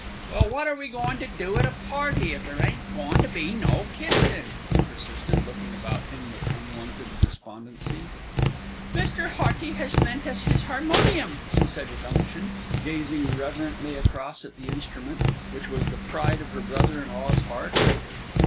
"Well, wot are we goin' to do at a party if there ain't goin' to be no kissin'?" he persisted, looking about him with unwonted despondency. "Mr. Hearty has lent us his harmonium!" she said with unction, gazing reverently across at the instrument, which was the pride of her brother in law's heart.